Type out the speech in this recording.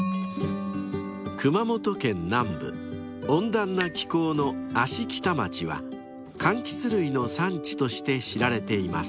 ［熊本県南部温暖な気候の芦北町はかんきつ類の産地として知られています］